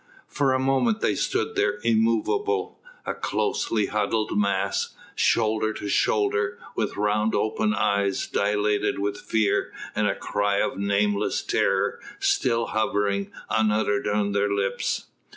For a moment they stood there immovable, a closely huddled mass, shoulder to shoulder, with round open eyes dilated with fear and a cry of nameless terror still hovering unuttered on their lips.